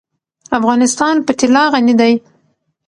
افغانستان په طلا غني دی.